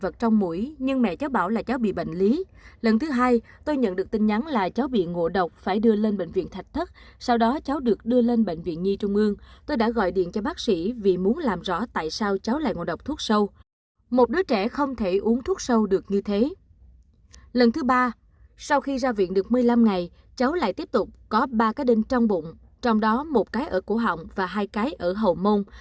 trong một mươi năm ngày cháu lại tiếp tục có ba cái đinh trong bụng trong đó một cái ở cổ họng và hai cái ở hậu môn